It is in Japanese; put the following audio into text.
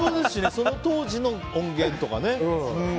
その当時の音源とかね。